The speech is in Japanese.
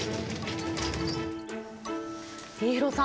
家広さん